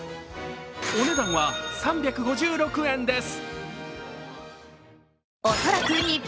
お値段は３５６円です。